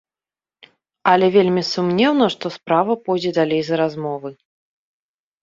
Але вельмі сумнеўна, што справа пойдзе далей за размовы.